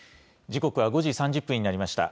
時刻は５時３０分になりました。